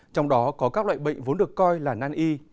trong đó có các loại bệnh vốn được coi là nan y